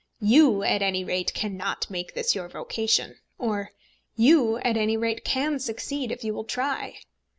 "You, at any rate, cannot make this your vocation;" or "You, at any rate, can succeed, if you will try."